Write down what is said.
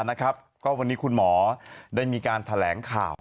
ก็วันนี้คุณหมอได้มีการแถลงข่าว